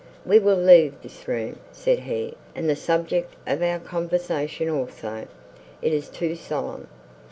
"We will leave this room," said he, "and the subject of our conversation also; it is too solemn."